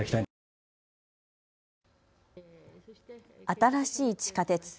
新しい地下鉄。